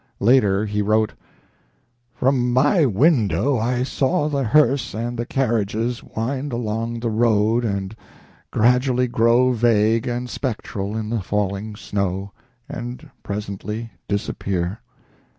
Later he wrote: "From my window I saw the hearse and the carriages wind along the road and gradually grow vague and spectral in the falling snow, and presently disappear.